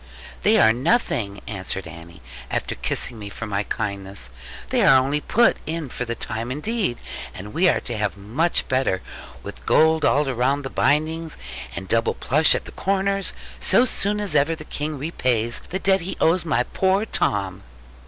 'They are nothing,' Annie answered, after kissing me for my kindness: 'they are only put in for the time indeed; and we are to have much better, with gold all round the bindings, and double plush at the corners; so soon as ever the King repays the debt he owes to my poor Tom.'